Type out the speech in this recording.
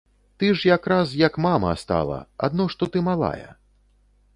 Ты ж якраз, як мама, стала, адно што ты малая.